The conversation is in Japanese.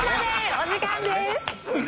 お時間です。